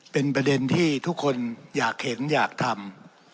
เป็นประเด็นที่ทุกคนอยากเห็นอยากทำ